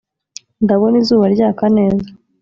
Ndabona izuba ryaka neza